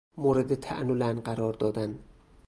مورد طعن و لعن قرار دادن